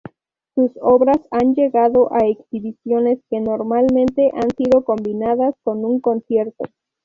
Sus obras han llegado a exhibiciones, que normalmente han sido combinadas con un concierto.